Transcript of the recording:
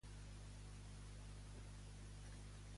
Qui va musicar els goigs de santa Calamandra?